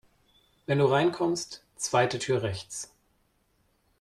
Wenn du reinkommst, zweite Tür rechts.